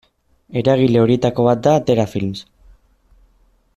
Eragile horietako bat da Atera Films.